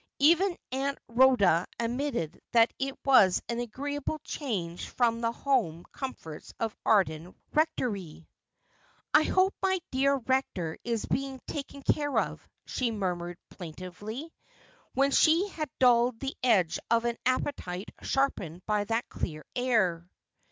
Even Aunt Rhoda admitted that it was an agreeable change from the home comforts of Arden Rectory. ' I hope my dear Rector is being taken care of,' she mur mured plaintively, when she had dulled the edge of an appetite sharpened by that clear air.